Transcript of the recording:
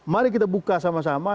mari kita buka sama sama